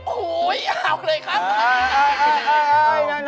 โอ้โหยาวเลยครับ